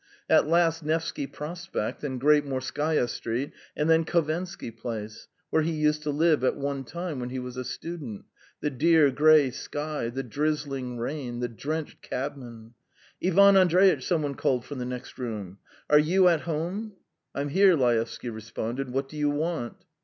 At last Nevsky Prospect, and Great Morskaya Street, and then Kovensky Place, where he used to live at one time when he was a student, the dear grey sky, the drizzling rain, the drenched cabmen. ... "Ivan Andreitch!" some one called from the next room. "Are you at home?" "I'm here," Laevsky responded. "What do you want?"